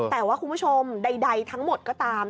แต่ว่าคุณผู้ชมใดทั้งหมดก็ตาม